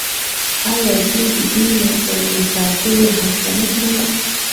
آیا دوی د دې نسل د ساتلو هڅه نه کوي؟